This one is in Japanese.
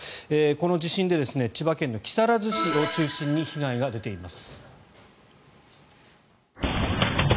この地震で千葉県木更津市を中心に被害が出ています。